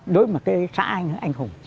đối với cái xã anh anh hùng